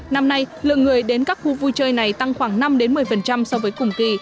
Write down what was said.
năm nay lượng người đến các khu vui chơi này tăng khoảng năm một mươi so với cùng kỳ